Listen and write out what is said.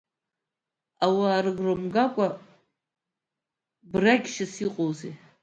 Ауаа рыгәра мгакәа брагьшьас иҟоузеи…